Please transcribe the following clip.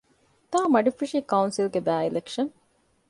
ތ.މަޑިފުށީ ކައުންސިލްގެ ބައި-އިލެކްޝަން